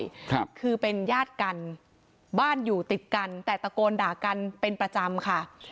ครับคือเป็นญาติกันบ้านอยู่ติดกันแต่ตะโกนด่ากันเป็นประจำค่ะ